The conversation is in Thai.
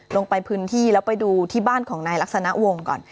ลงไปพื้นที่แล้วไปดูที่บ้านของนายลักษณะวงศ์ก่อน